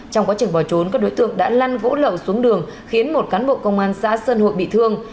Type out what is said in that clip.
trong quá trình bỏ trốn các đối tượng đã lăn vỗ lậu xuống đường khiến một cán bộ công an xã sơn hội bị thương